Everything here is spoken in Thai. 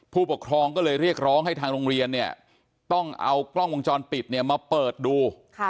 ผู้ปกครองก็เลยเรียกร้องให้ทางโรงเรียนเนี่ยต้องเอากล้องวงจรปิดเนี่ยมาเปิดดู